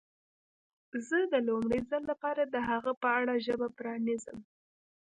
زه د لومړي ځل لپاره د هغه په اړه ژبه پرانیزم.